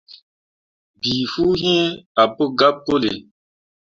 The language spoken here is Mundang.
Bii fuu iŋ ah pu gabe puli.